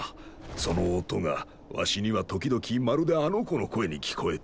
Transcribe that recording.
その音がわしには時々まるであの子の声に聞こえてしまう。